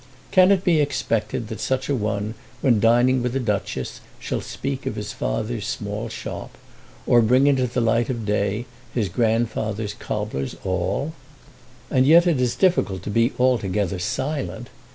Can it be expected that such a one when dining with a duchess shall speak of his father's small shop, or bring into the light of day his grandfather's cobbler's awl? And yet it is difficult to be altogether silent!